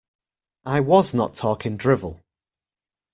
I was not talking drivel.